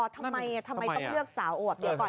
ทำไมต้องเลือกสาวอวก